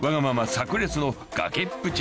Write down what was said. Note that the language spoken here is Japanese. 炸裂の崖っぷち